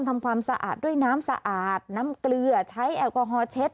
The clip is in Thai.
ทำความสะอาดด้วยน้ำสะอาดน้ำเกลือใช้แอลกอฮอลเช็ด